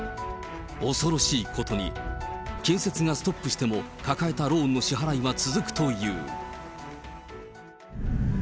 恐ろしいことに、建設がストップしても、抱えたローンの支払いは続くという。